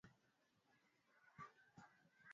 Kuna fukwe nzuri sana na asili ya kipekee